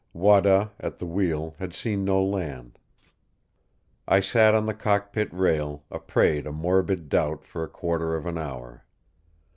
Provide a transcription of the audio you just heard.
Wada, at the wheel, had seen no land. I sat on the cockpit rail, a prey to morbid doubt for a quarter of an hour.